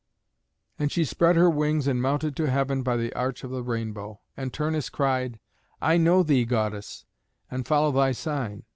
And she spread her wings and mounted to heaven by the arch of the rainbow, and Turnus cried, "I know thee, goddess, and follow thy sign."